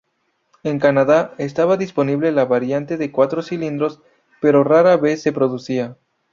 En Canadá, estaba disponible la variante de cuatro cilindros, pero rara vez se producía.